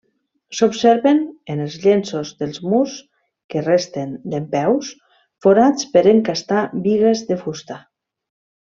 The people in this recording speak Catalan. S'observen, en els llenços dels murs que resten dempeus, forats per encastar bigues de fusta.